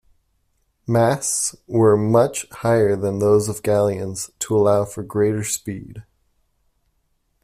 Masts were much higher than those of galleons to allow for greater speed.